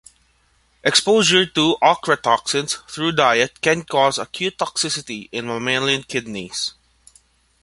Exposure to ochratoxins through diet can cause acute toxicity in mammalian kidneys.